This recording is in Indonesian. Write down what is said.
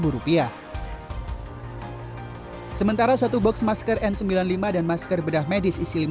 dua ratus lima puluh rupiah sementara satu box masker n sembilan puluh lima dan masker bedah medis